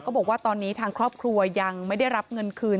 บอกว่าตอนนี้ทางครอบครัวยังไม่ได้รับเงินคืน